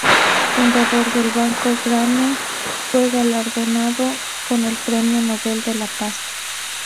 Fundador del Banco Grameen, fue galardonado con el Premio Nobel de la Paz.